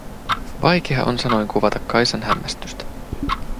Vaikea on sanoin kuvata Kaisan hämmästystä.